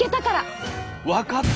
分かった！